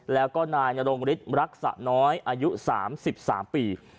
แล้วก็นายนรงฤทธิรักษะน้อยอายุ๓๓ปี